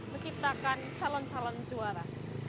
menciptakan calon calon juara